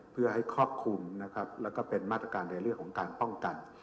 เพื่อให้ควบคุมและเป็นมาตรการในเรื่องของการป้องกัน